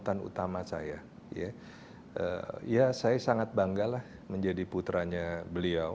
dan bu kartini mulyadi bersama saya saya sangat bangga menjadi putranya beliau